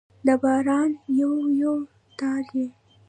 د باران یو، یو تار يې